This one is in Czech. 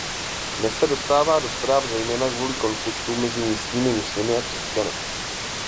Dnes se dostává do zpráv zejména kvůli konfliktům mezi místními muslimy a křesťany.